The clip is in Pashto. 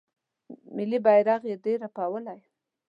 ملي بیرغ یې ډیر رپولی